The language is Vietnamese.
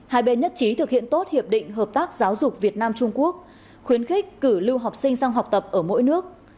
hai bên nhất trí thực hiện tốt hiệp định hợp tác giáo dục việt nam trung quốc khuyến khích cử lưu học sinh sang học tập ở mỗi nước